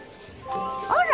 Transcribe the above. あら！